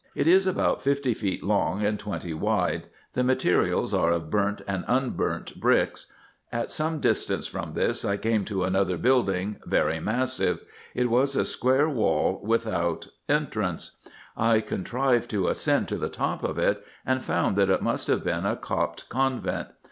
It is about fifty feet long and twenty wide : the materials are of burnt and unburn t bricks. At some distance from this I came to another building, very massive ; it was a square wall, 3 i 2 428 RESEARCHES AND OPERATIONS without entrance. I contrived to ascend to the top of it, and found that it must have been a Copt convent.